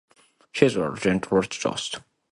He is a genealogist.